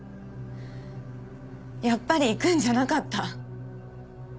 やっぱり行くんじゃなかった。